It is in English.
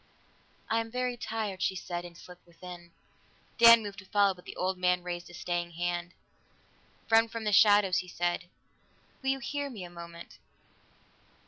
"I am very tired," she said, and slipped within. Dan moved to follow, but the old man raised a staying hand. "Friend from the shadows," he said, "will you hear me a moment?"